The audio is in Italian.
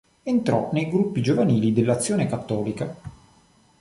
Entrò nei gruppi giovanili dell'Azione cattolica.